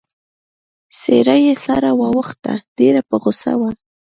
څېره يې سره واوښته، ډېره په غوسه وه.